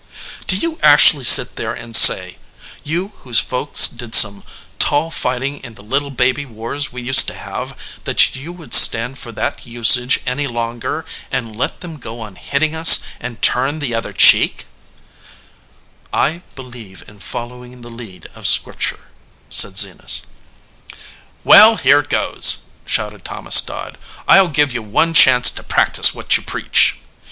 "Do you actually sit there and say, you whose folks did some tall fighting in the little baby wars we used to have, that you would stand for that usage any longer, and let them go on hitting us and turn the other cheek?" 222 BOTH CHEEKS "I believe in following the lead of Scripture," said Zenas. "Well, here goes !" shouted Thomas Dodd. "I ll give you one chance to practise what you preach